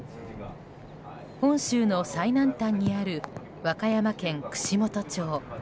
本州最南端にある和歌山県串本町。